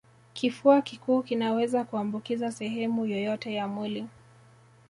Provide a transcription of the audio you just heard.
Kifua kikuu kinaweza kuambukiza sehemu yoyote ya mwili